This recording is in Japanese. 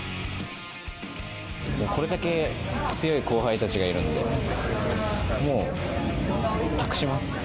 これだけ強い後輩たちがいるんで、もう託します。